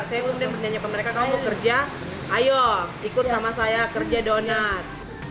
saya kemudian bernyanyakan mereka kamu mau kerja ayo ikut sama saya kerja donat